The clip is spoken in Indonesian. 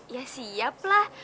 ya siap lah